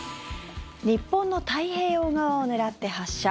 日本の太平洋側を狙って発射。